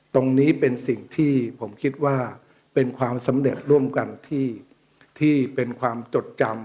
ตรงนี้เป็นสิ่งที่ผมคิดว่าเป็นความสำเร็จร่วมกันที่เป็นความจดจำ